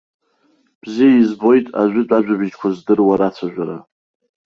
Бзиа избоит, ажәытә ажәабжьқәа здыруа рацәажәара.